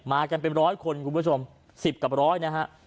กันเป็นร้อยคนคุณผู้ชม๑๐กับร้อยนะฮะ